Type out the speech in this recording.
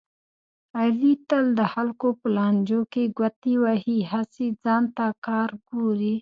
علي تل د خلکو په لانجو کې ګوتې وهي، هسې ځان ته کار ګوري.